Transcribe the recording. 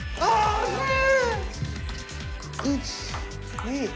惜しい。